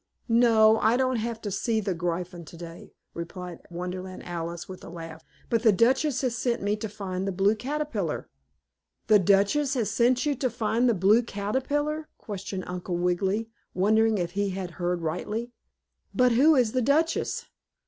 "No. I don't have to see the Gryphon today," replied Wonderland Alice with a laugh. "But the Duchess has sent me to find the Blue Caterpillar." "The Duchess has sent you to find the Blue Caterpillar?" questioned Uncle Wiggily, wondering if he had heard rightly. "But who is the Duchess?"